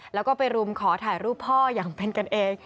แล้วก็ไปรุมขอถ่ายรูปพ่ออย่างเป็นกันเอง